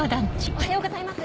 おはようございます。